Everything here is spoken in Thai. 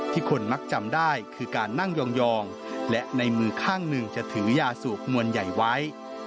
คนมักจำได้คือการนั่งยองและในมือข้างหนึ่งจะถือยาสูบมวลใหญ่ไว้